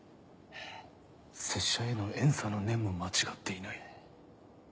拙者への怨嗟の念も間違っていない。